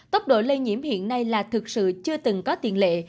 tốc độ lây nhiễm hiện nay là thực sự chưa từng có tiền lệ